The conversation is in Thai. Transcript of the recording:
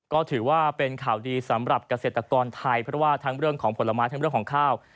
ก็ถือว่าเป็นข่าวดีสำหรับเกษตรกรไทยเพราะว่าทั้งเรื่องของผลไม้ทั้งเรื่องของข้าว